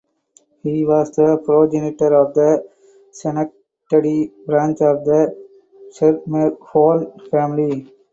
He was the progenitor of the Schenectady branch of the Schermerhorn family.